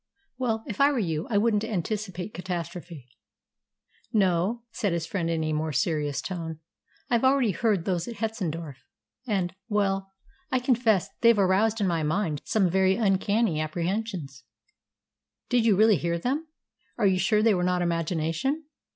"Well, if I were you I wouldn't anticipate catastrophe." "No," said his friend in a more serious tone, "I've already heard those at Hetzendorf, and well, I confess they've aroused in my mind some very uncanny apprehensions." "But did you really hear them? Are you sure they were not imagination?